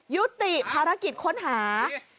ยุติภารกิจค้นหา